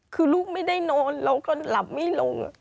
คือลูกไม่ได้นอนเราก็หลับไม่ลง